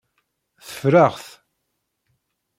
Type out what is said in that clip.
Teffer-aɣ-t.